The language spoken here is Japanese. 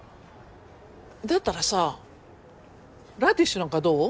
だったらさラディッシュなんかどう？